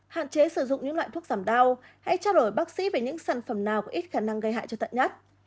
hạn chế sử dụng những loại thuốc giảm đau hãy trao đổi bác sĩ về những sản phẩm nào có ít khả năng gây hại cho tận nhất